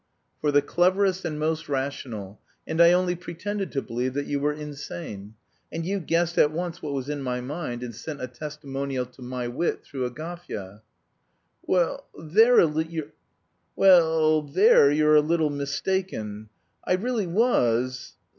"For the cleverest and most rational, and I only pretended to believe that you were insane.... And you guessed at once what was in my mind, and sent a testimonial to my wit through Agafya." "Well, there you're a little mistaken. I really was...